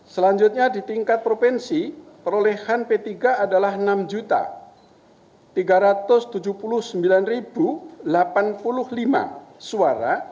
selanjutnya di tingkat provinsi perolehan p tiga adalah enam tiga ratus tujuh puluh sembilan delapan puluh lima suara